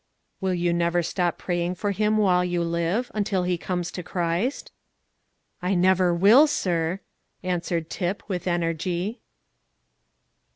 "Will you never stop praying for him while you live, until he comes to Christ?" "I never will, sir," answered Tip, with energy.